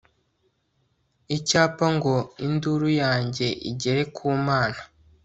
icyampa ngo induru yanjye igere ku mana